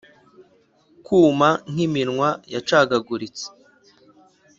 kuma nk'iminwa yacagaguritse